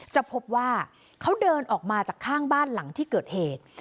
จะพบว่าเขาเดินออกมาจากข้างบ้านหลังที่เกิดเหตุ